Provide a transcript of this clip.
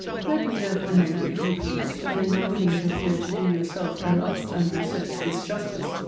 Let me, therefore, know (if you please) whether you are willing to appear to do yourself, and us, and your sex, this justice?